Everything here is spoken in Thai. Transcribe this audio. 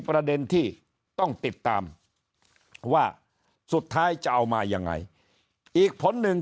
ประเด็นที่ต้องติดตามว่าสุดท้ายจะเอามายังไงอีกผลหนึ่ง